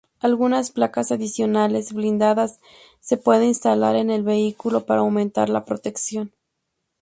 Algunas placas adicionales blindadas se puede instalar en el vehículo para aumentar la protección.